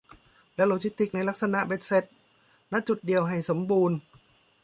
และโลจิสติกส์ในลักษณะเบ็ดเสร็จ ณ จุดเดียวให้สมบูรณ์